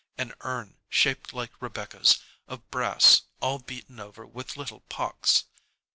An urn, shaped like Rebecca's, of brass, all beaten over with little pocks.